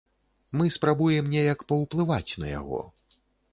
Мы спрабуем неяк паўплываць на яго.